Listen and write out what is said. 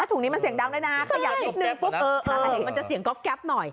ถุงนี้มันเสียงดังด้วยนะขยับนิดนึงปุ๊บอะไรมันจะเสียงก๊อบแป๊บหน่อย